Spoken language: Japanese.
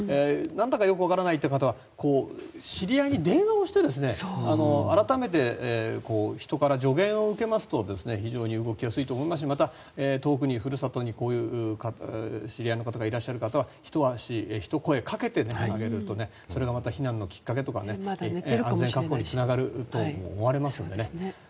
んだかよくわからないという人は知り合いに電話をして改めて人から助言を受けますと非常に動きやすいと思いますしまた、遠くに、ふるさとにこういう知り合いの方がいらっしゃる方はひと声かけてあげるとそれがまた避難のきっかけとか安全確保につながると思われますのでね。